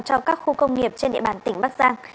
cho các khu công nghiệp trên địa bàn tỉnh bắc giang